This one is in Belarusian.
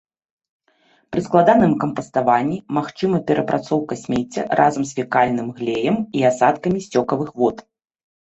Пры складаным кампаставанні магчыма перапрацоўка смецця разам з фекальным глеем і асадкамі сцёкавых вод.